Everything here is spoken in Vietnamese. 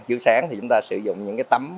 chiếu sáng thì chúng ta sử dụng những cái tấm